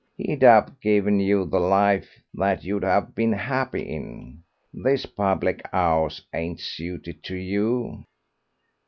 He'd have given you the life that you'd have been happy in. This public 'ouse ain't suited to you."